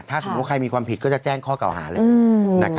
ถ้าใครมีความผิดก็จะแจ้งข้อก่อเก่าหาเลย